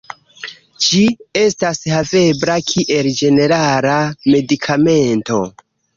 Ĝi estas havebla kiel ĝenerala medikamento.